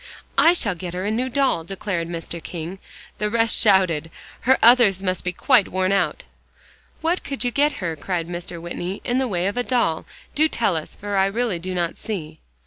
"I shall get her a new doll," declared Mr. King. The rest shouted. "Her others must be quite worn out." "What could you get her," cried Mr. Whitney, "in the way of a doll? Do tell us, for I really do not see."